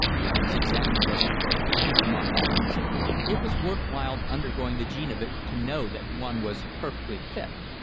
"I was examined yesterday," he remarked at last. "It was worth while undergoing the gene of it to know that one was perfectly fit."